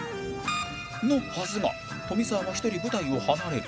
のはずが富澤は１人舞台を離れる